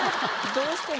どうしても？